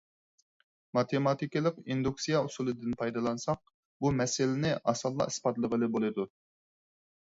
ماتېماتىكىلىق ئىندۇكسىيە ئۇسۇلىدىن پايدىلانساق، بۇ مەسىلىنى ئاسانلا ئىسپاتلىغىلى بولىدۇ.